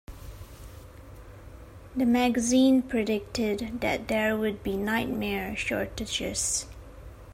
The magazine predicted that there would be nightmare shortages.